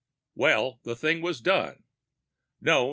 Well, the thing was done. No.